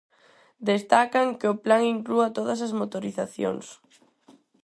Destacan que o plan inclúa todas as motorizacións.